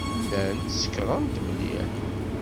Llant sekṛent mliḥ.